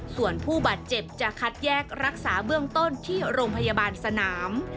ส่วนผู้บาดเจ็บจะคัดแยกรักษาเบื้องต้นที่โรงพยาบาลสนาม